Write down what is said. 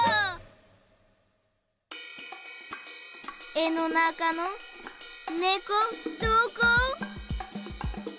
絵のなかのねこどこ？